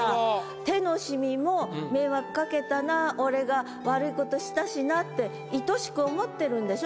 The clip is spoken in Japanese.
手の染みも迷惑かけたなオレが悪い事したしなって愛しく思ってるんでしょ？